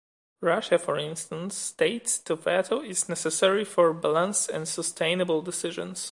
Russia, for instance, states the veto is necessary for "balanced and sustainable decisions".